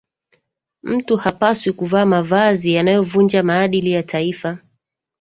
Mtu hapaswi kuvaa mavazi yanayovunja maadili ya taifa